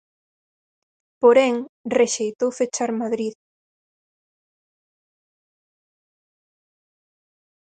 Porén, rexeitou fechar Madrid.